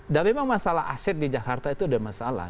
nah memang masalah aset di jakarta itu ada masalah